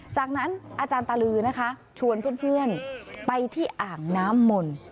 จากนั้นอาจารย์ตะลือนะคะชวนเพื่อนไปที่อ่างน้ำมนต์